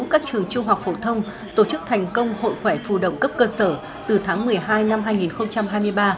các trường trung học phổ thông tổ chức thành công hội khỏe phụ đồng cấp cơ sở từ tháng một mươi hai năm hai nghìn hai mươi ba